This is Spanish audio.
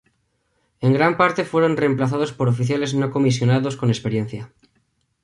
En gran parte fueron reemplazados por oficiales no comisionados con experiencia.